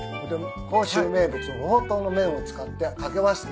甲州名物のほうとうの麺を使って掛け合わせて。